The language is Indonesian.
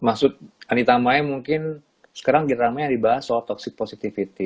maksud anita maya mungkin sekarang kita ramai yang dibahas soal toxic positivity